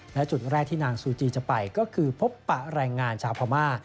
และจุดแรกที่นางซูจีจะไปก็คือพบปะแรงงานชาวพม่า